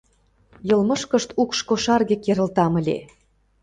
Йылмышкышт укш кошарге керылтам ыле!